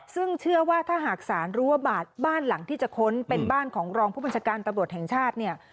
ซึ่งเชื่อว่าถ้าหากศาลรู้ว่าบ้านหลังที่จะค้นเป็นบ้านของรองผู้บัญชาการตำรวจแห่งชาติเนี่ย